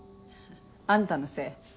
あんたのせい。